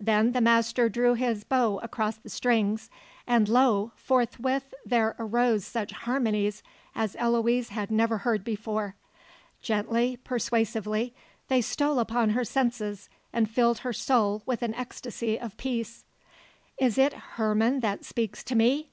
Then the Master drew his bow across the strings, and lo! forthwith there arose such harmonies as Eloise had never heard before. Gently, persuasively, they stole upon her senses and filled her soul with an ecstasy of peace. "Is it Herman that speaks to me?"